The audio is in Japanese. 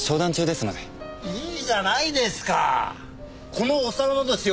このお皿のですよ